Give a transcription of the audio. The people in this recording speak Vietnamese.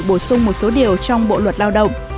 bổ sung một số điều trong bộ luật lao động